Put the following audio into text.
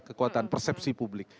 kekuatan persepsi publik